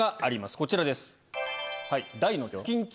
こちらです。